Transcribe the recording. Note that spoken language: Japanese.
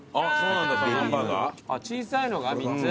小さいのが３つ？